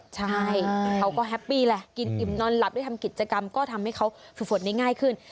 ใช่เขาก็แฮปปี้แหละกินอิ่มนอนหลับได้ทำกิจกรรมก็ทำให้เขาฝึกฝนได้ง่ายขึ้น